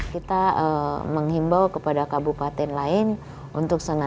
kita menghimbau kepada kabupaten lain untuk menurut saya